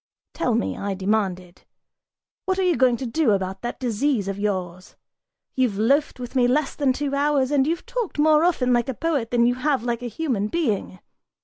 "Tell me," I demanded, "what are you going to do about that disease of yours? You've loafed with me less than two hours, and you've talked more often like a poet than you have like a human being!